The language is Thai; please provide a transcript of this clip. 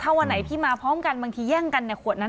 ถ้าวันไหนพี่มาพร้อมกันบางทีแย่งกันในขวดนั้น